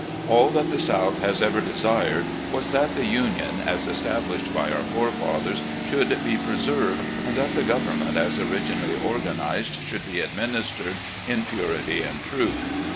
All that the South has ever desired was that the Union, as established by our forefathers, should be preserved, and that the government as orig inally organised should be administered in purity and truth.